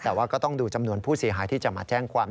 แต่ว่าก็ต้องดูจำนวนผู้เสียหายที่จะมาแจ้งความ